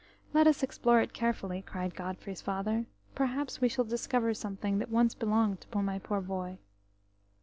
"Let us explore it carefully," cried Godfrey's father. "Perhaps we shall discover something that once belonged to my poor boy."